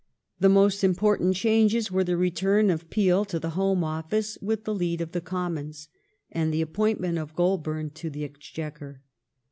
The most important changes were the return of Peel to the Home Office with the lead of the Commons, 'and the appointment of Goulburn to the Exchequer.